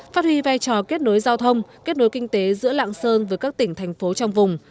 phát huy vai trò kết nối giao thông kết nối kinh tế giữa lạng sơn với các tỉnh thành phố trong vùng